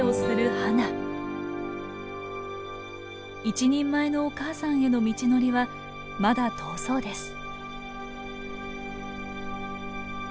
一人前のお母さんへの道のりはまだ遠そうです。